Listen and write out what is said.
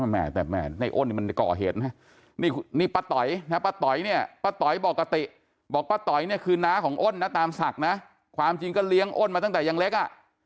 แม่แต่แม่ในอ้นนี่มันก่อเหตุนะนี่ป้าต๋อยนะป้าต๋อยเนี่ยป้าต๋อยบอกกติบอกป้าต๋อยเนี่ยคือน้าของอ้นนะตามศักดิ์นะความจริงก็เลี้ยงอ้นมาตั้งแต่ยังเล็กอ่ะ